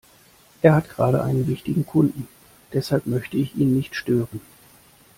Er hat gerade einen wichtigen Kunden, deshalb möchte ich ihn nicht stören.